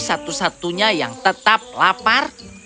dan satu satunya yang tetap lapar